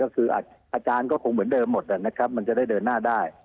พระอาจารย์คงเหมือนเดิมหมดก็คิดง่ายมันจะได้เดินหน้าได้